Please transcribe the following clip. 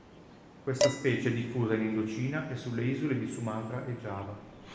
Questa specie è diffusa in Indocina e sulle isole di Sumatra e Giava.